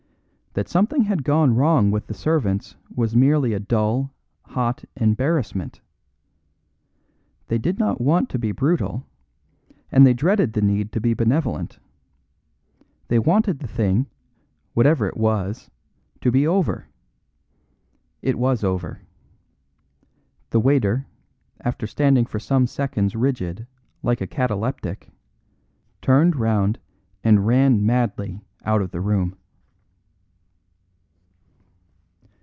That something had gone wrong with the servants was merely a dull, hot embarrassment. They did not want to be brutal, and they dreaded the need to be benevolent. They wanted the thing, whatever it was, to be over. It was over. The waiter, after standing for some seconds rigid, like a cataleptic, turned round and ran madly out of the room.